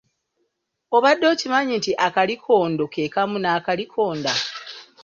Obadde okimanyi nti akalikondo ke kamu na'kalikonda?